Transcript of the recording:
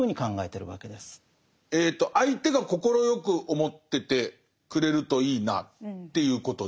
相手が快く思っててくれるといいなっていうことで。